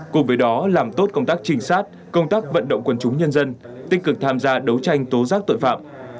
cùng với đó làm tốt công tác trinh sát công tác vận động quân chúng nhân dân tích cực tham gia đấu tranh tố giác tội phạm